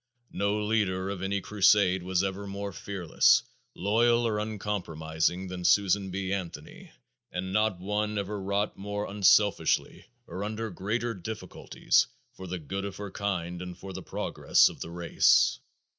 No leader of any crusade was ever more fearless, loyal or uncompromising than Susan B. Anthony and not one ever wrought more unselfishly or under greater difficulties for the good of her kind and for the progress of the race.